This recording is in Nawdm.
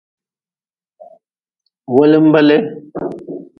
Wo linba lee.